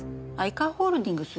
愛川ホールディングス？